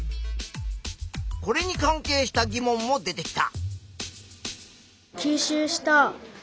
これに関係した疑問も出てきた。